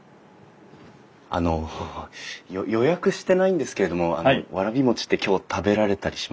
あの予約してないんですけどもわらび餅って今日食べられたりしますかね？